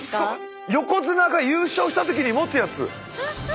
横綱が優勝した時に持つやつ！